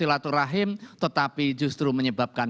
untuk melakukan lukisan lukisan